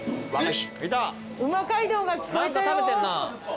何か食べてんな。